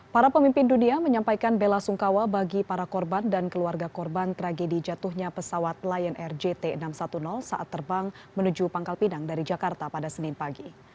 para pemimpin dunia menyampaikan bela sungkawa bagi para korban dan keluarga korban tragedi jatuhnya pesawat lion air jt enam ratus sepuluh saat terbang menuju pangkal pinang dari jakarta pada senin pagi